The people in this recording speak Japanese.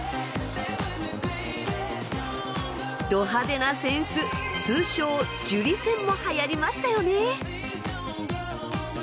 ド派手な扇子通称ジュリ扇もはやりましたよね。